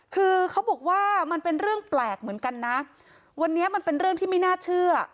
คือเขาบอกว่ามันเป็นเรื่องแปลกเหมือนกันนะวันนี้มันเป็นเรื่องที่ไม่น่าเชื่อ